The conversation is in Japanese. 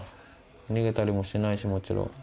逃げたりもしないしもちろん。